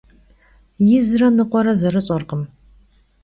Yizre nıkhuere zerış'erkhım.